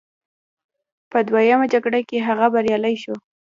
په دویمه جګړه کې هغه بریالی شو.